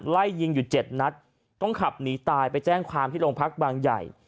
ไล่ยิงอยู่เจ็ดนัดต้องขับหนีตายไปแจ้งความที่โรงพักบางใหญ่